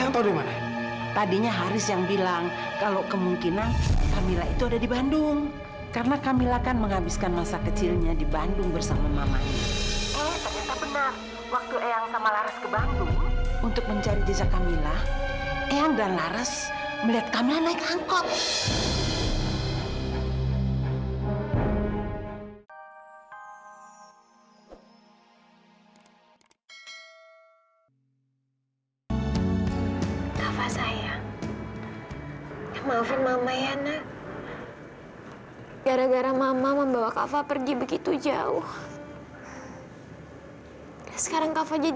sampai jumpa di video selanjutnya